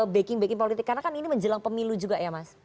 backing backing politik karena kan ini menjelang pemilu juga ya mas